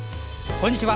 こんにちは。